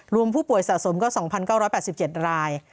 รวมผู้ป่วยสะสมก็๒๙๘๗ราย